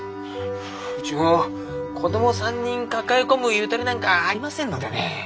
うちも子ども３人抱え込むゆとりなんかありませんのでね。